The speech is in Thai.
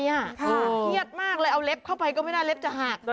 เครียดมากเลยเอาเล็บเข้าไปก็ไม่ได้เล็บจะหัก